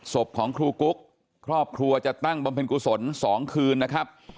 ศพของครูกุ๊กครอบครัวจะตั้งบำเพ็ญกุศล๒คืนนะครับ